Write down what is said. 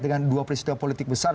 dengan dua peristiwa politik besar